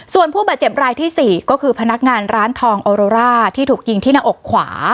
ส่วนผู้บาดเจ็บรายที่๔ก็คือพนักงานร้านทองออโรร่าที่ถูกยิงที่หน้าอกขวา